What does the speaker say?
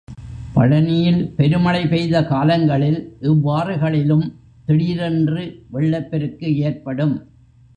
பழனியில் பெருமழை பெய்த காலங்களில் இவ்வாறுகளிலும் திடீரென்று வெள்ளப் பெருக்கு ஏற்படும்.